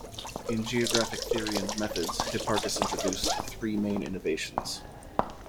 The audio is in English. In geographic theory and methods Hipparchus introduced three main innovations.